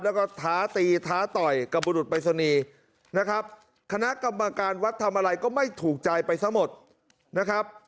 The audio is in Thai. แล้วก็ท้าตีท้าต่อยกับบุรุษปริศนีย์นะครับคณะกรรมการวัดทำอะไรก็ไม่ถูกใจไปซะหมดนะครับ